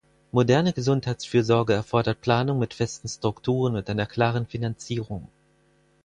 Moderne Gesundheitsfürsorge erfordert Planung mit festen Strukturen und einer klaren Finanzierung.